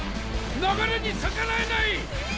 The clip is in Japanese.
流れに逆らえない！